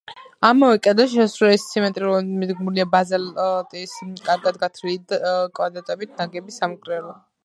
ამავე კედელზე, შესასვლელის სიმეტრიულად მიდგმულია ბაზალტის კარგად გათლილი კვადრებით ნაგები სამრეკლო.